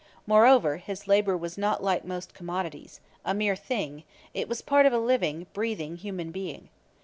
Moreover, his labor was not like most commodities a mere thing; it was part of a living, breathing human being.